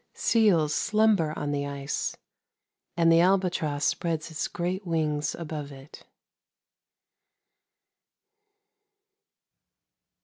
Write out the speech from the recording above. Seals slumber on the ice, and the albatross spreads its great wings above it."